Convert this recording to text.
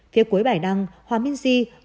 phía cuối bài đăng hòa minh di gửi bài đăng